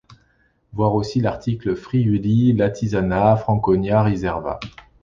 Voir aussi l'article Friuli Latisana Franconia riserva.